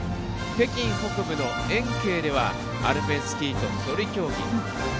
北京北部の延慶ではアルペンスキーと、そり競技。